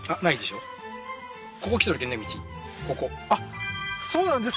ここあっそうなんですか？